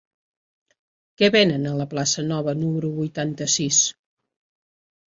Què venen a la plaça Nova número vuitanta-sis?